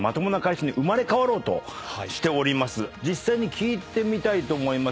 実際に聞いてみたいと思います。